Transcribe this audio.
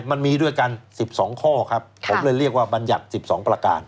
มันมีด้วยกัน๑๒ข้อครับผมเลยเรียกว่าบรรยัติ๑๒ประการ